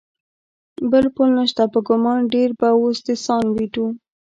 بل پل نشته، په ګمان ډېر به اوس د سان وېټو.